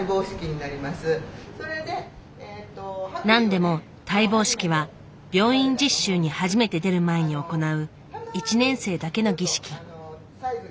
なんでも戴帽式は病院実習に初めて出る前に行う１年生だけの儀式。